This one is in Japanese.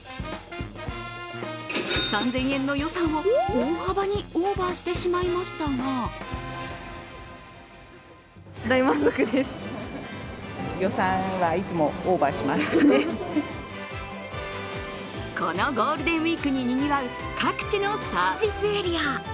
３０００円の予算を大幅にオーバーしてしまいましたがこのゴールデンウイークににぎわう各地のサービスエリア。